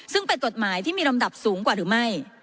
ซึ่งเป็นกฎหมายที่มีลำดับสูงกว่าหรือไม่